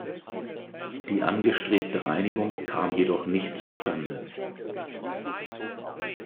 Die angestrebte Einigung kam jedoch nicht zu Stande.